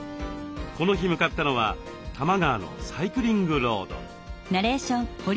この日向かったのは多摩川のサイクリングロード。